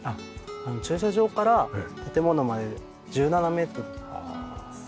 駐車場から建物まで１７メートルあります。